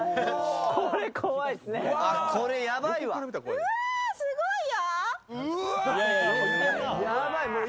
うわ、すごいよ！